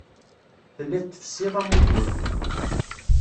Telliḍ tfessiḍ amutur.